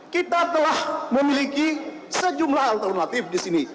kita telah memiliki sejumlah alternatif disini